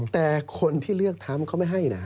แต่คนที่เลือกทำเขาไม่ให้นะ